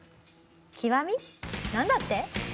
極みなんだって？